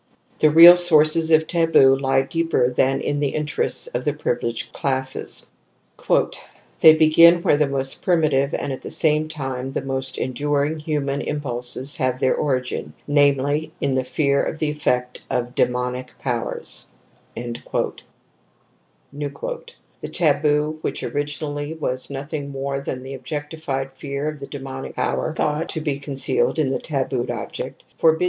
But the real sources of taboo lie deeper than in the interests of the privileged classes :*' They begin where the most primitive and at the same time the most enduring human impulses have their origin, namely, in the fear of the effecto^ demonic powers "^'' The taboo, which originally was nothing more than the objectified fear of the demonic power thought to be concealed in the tabooed object, forbids